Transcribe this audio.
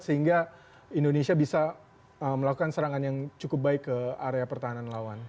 sehingga indonesia bisa melakukan serangan yang cukup baik ke area pertahanan lawan